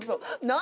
何？